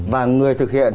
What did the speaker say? và người thực hiện